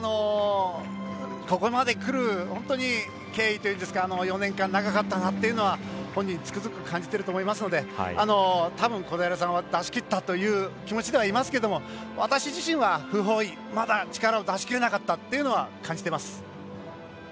ここまでくる本当に経緯というんですか４年間長かったなというのは本人、つくづく感じていると思いますのでたぶん、小平さんは出しきったという気持ちではあると思うんですけど私自身は不本意、まだ力を出しきれなかったというのは感じています。